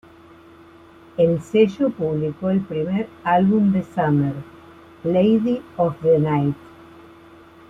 El sello publicó el primer álbum de Summer, "Lady of The Night".